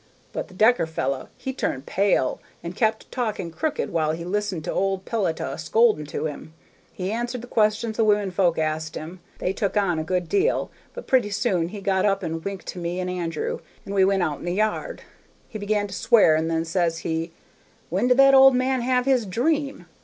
But the Decker fellow he turned pale, and kept talking crooked while he listened to old Peletiah a scolding to himself. He answered the questions the women folks asked him, they took on a good deal, but pretty soon he got up and winked to me and Andrew, and we went out in the yard. He began to swear, and then says he, 'When did the old man have his dream?'